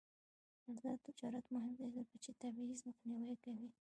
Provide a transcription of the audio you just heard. آزاد تجارت مهم دی ځکه چې تبعیض مخنیوی کوي.